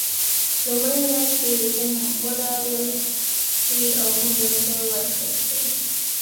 لومړی دا چې هم وډارول شي او هم یو څه ورکړل شي.